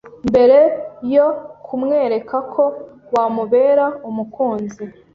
mbere yo kumwereka ko wamubera umukunzi